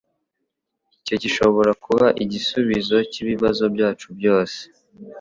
Icyo gishobora kuba igisubizo cyibibazo byacu byose.